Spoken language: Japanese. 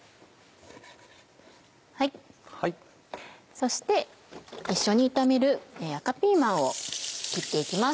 そして一緒に炒める赤ピーマンを切って行きます。